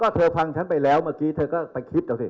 เธอฟังฉันไปแล้วเมื่อกี้เธอก็ไปคิดเอาสิ